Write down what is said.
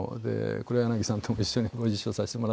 黒柳さんとも一緒にご一緒させてもらって。